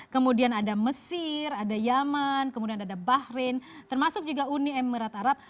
kemudian ada mesir ada yaman kemudian ada bahrain termasuk juga uni emirat arab